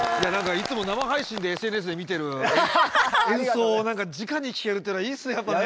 いつも生配信でＳＮＳで見てる演奏をじかに聴けるというのはいいっすねやっぱね。